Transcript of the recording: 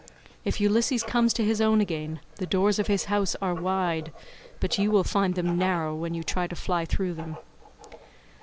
If Ulysses comes to his own again, the doors of his house are wide, but you will find them narrow when you try to fly through them."